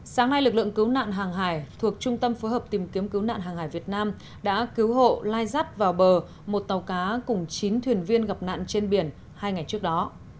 sáng nay lực lượng cứu nạn hàng hải thuộc trung tâm phối hợp tìm kiếm cứu nạn hàng hải việt nam đã cứu hộ lai dắt vào bờ một tàu cá cùng chín thuyền viên gặp nạn trên biển hai ngày trước đó